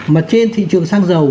mà trên thị trường sang dầu